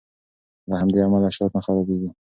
له همدې امله شات نه خرابیږي.